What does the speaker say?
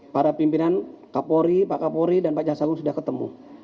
para pimpinan kapolri pak kapolri dan pak jaksa agung sudah ketemu